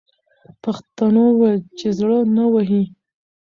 پښتنو وویل چې زړه نه وهي.